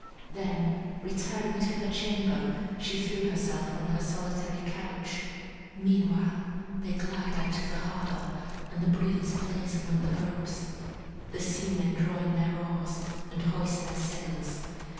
Then, retiring to her chamber, she threw herself on her solitary couch. Meanwhile they glide out of the harbor, and the breeze plays among the ropes. The seamen draw in their oars, and hoist their sails.